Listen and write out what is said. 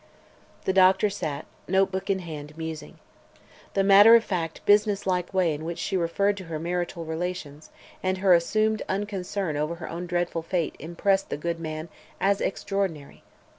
The doctor sat, notebook in hand, musing. The matter of fact, businesslike way in which she referred to her marital relations and her assumed unconcern over her own dreadful fate impressed the good man as extraordinary.